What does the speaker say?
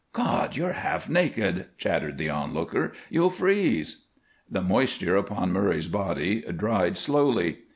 "God! You're half naked!" chattered the onlooker. "You'll freeze." The moisture upon Murray's body dried slowly.